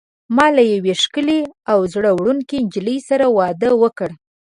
ما له یوې ښکلي او زړه وړونکي نجلۍ سره واده وکړ.